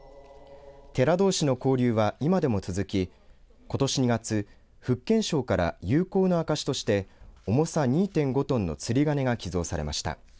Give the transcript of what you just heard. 寺どうしの交流は今でも続きことし２月福建省から友好の証として重さ２．５トンの釣り鐘が寄贈されました。